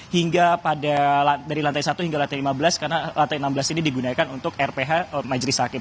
hingga pada dari lantai satu hingga lantai lima belas karena lantai enam belas ini digunakan untuk rph majelis hakim